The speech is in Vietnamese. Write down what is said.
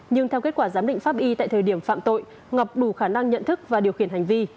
nhưng theo kết quả giám định pháp y tại thời điểm phạm tội ngọc đủ khả năng nhận thức và điều khiển hành vi